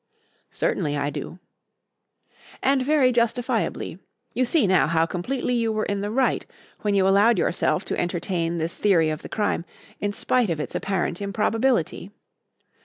"Certainly, I do." "And very justifiably. You see now how completely you were in the right when you allowed yourself to entertain this theory of the crime in spite of its apparent improbability.